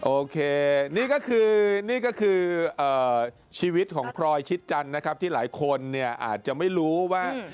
โอเคนี่ก็คือนี่ก็คือชีวิตของพลอยชิดจันทร์นะครับที่หลายคนเนี่ยอาจจะไม่รู้ว่า